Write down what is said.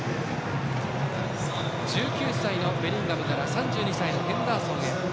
１９歳のベリンガムから３２歳のヘンダーソンへ。